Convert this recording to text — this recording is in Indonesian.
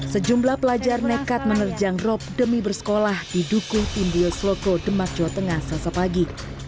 sejumlah pelajar nekat menerjang rop demi bersekolah di dukuh timbiosloko demak jawa tengah selasa pagi